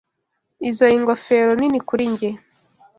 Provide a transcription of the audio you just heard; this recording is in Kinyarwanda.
Izoi ngofero nini kuri njye.